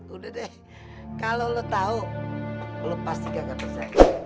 udah deh kalo lo tau lo pasti gak ketersegah